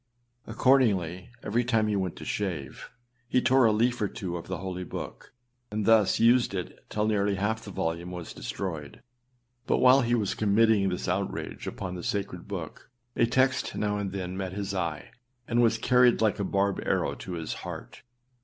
Accordingly, every time he went to shave, he tore a leaf or two of the holy book, and thus used it till nearly half the volume was destroyed. But while he was committing this outrage upon the sacred book, a text now and then met his eye, and was carried like a barbed arrow to his heart.